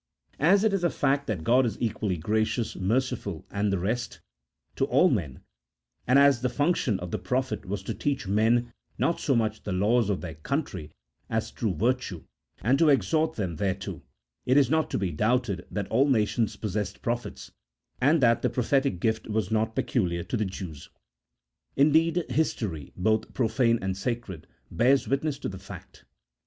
As it is a fact that God is equally gracious, merciful, and the rest, to all men ; and as the function of the prophet was to teach men not so much the laws of their country, as true virtue, and to exhort them thereto, it is not to be doubted that all nations possessed prophets, and that the prophetic gift was not peculiar to the Jews. Indeed, his tory, both profane and sacred, bears witness to the fact.